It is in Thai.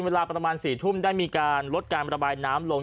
เวลาประมาณ๔ทุ่มได้มีการลดการระบายน้ำลง